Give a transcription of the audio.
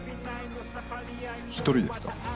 １人ですか？